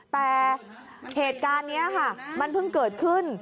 แต่เหตุการณ์นี้ค่ะมันเพิ่งเกิดขึ้น